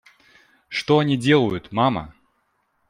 Что они делают, мама?